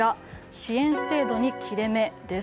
支援制度に切れ目です。